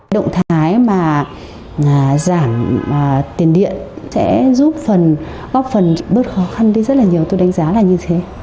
động thái giảm tiền điện sẽ giúp góp phần bớt khó khăn rất nhiều tôi đánh giá là như thế